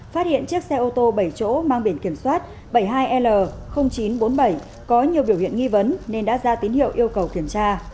phát hiện chiếc xe ô tô bảy chỗ mang biển kiểm soát bảy mươi hai l chín trăm bốn mươi bảy có nhiều biểu hiện nghi vấn nên đã ra tín hiệu yêu cầu kiểm tra